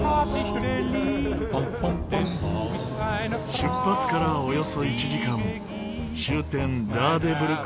出発からおよそ１時間終点ラーデブルク